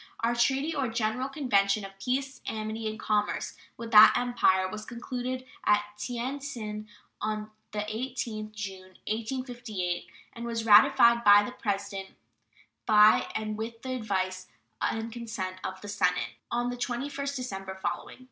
Our "treaty, or general convention, of peace, amity, and commerce" with that Empire was concluded at Tien tsin on the 18th June, 1858, and was ratified by the President, by and with the advice and consent of the Senate, on the 21st December following.